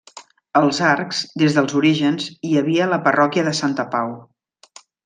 Als Arcs, des dels orígens, hi havia la parròquia de Santa Pau.